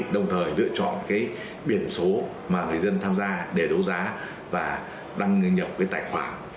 đồng thời lựa chọn cái biển số mà người dân tham gia để đấu giá và đăng nhập cái tài khoản